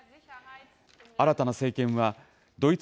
新たな政権は、ドイツ